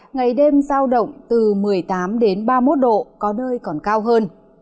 ngày đêm giao động từ một mươi tám đến ba mươi một độ có nơi còn cao hơn